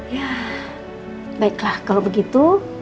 ya baiklah kalau begitu